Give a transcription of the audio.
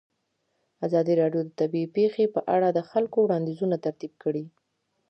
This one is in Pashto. ازادي راډیو د طبیعي پېښې په اړه د خلکو وړاندیزونه ترتیب کړي.